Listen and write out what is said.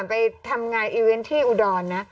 ผมอยู่ทางอู๋ดอล